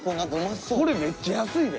これめっちゃ安いで。